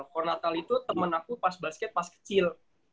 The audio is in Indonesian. kornatal itu temen aku pas basket pas kecil